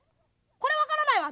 「これわからないわ！